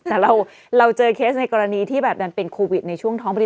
แต่เราเจอเคสในกรณีที่แบบดันเป็นโควิดในช่วงท้องผลิต